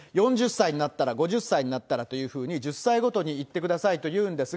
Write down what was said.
４０歳になったら、５０歳になったらというふうに、１０歳ごとにそんなのあったの？